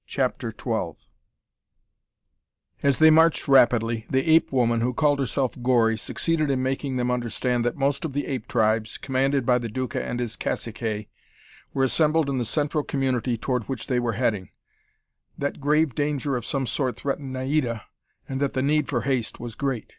CHAPTER XII As they marched rapidly, the ape woman, who called herself Gori, succeeded in making them understand that most of the ape tribes, commanded by the Duca and his caciques, were assembled in the central community toward which they were heading, that grave danger of some sort threatened Naida, and that the need for haste was great.